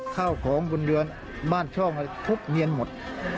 ข้าวของบวนเดือนบ้านช่องเลยครบเงียนหมด